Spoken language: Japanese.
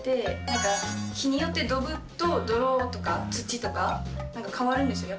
なんか日によってドブと泥とか土とかなんか変わるんですよ